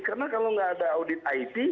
karena kalau nggak ada audit it